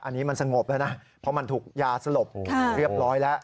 อันนี้มันสงบแล้วนะเพราะมันถูกยาสลบเรียบร้อยแล้ว